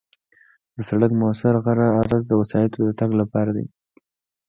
د سړک موثر عرض د وسایطو د تګ لپاره دی